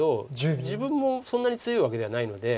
自分もそんなに強いわけじゃないので。